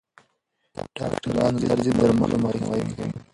ډاکټران د درد ضد درملو مخنیوی کوي.